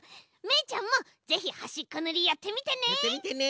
めいちゃんもぜひはしっこぬりやってみてね。